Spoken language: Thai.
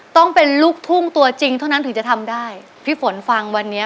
ต้องเป็นลูกทุ่งตัวจริงเท่านั้นถึงจะทำได้พี่ฝนฟังวันนี้